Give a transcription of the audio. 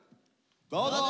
どうぞ。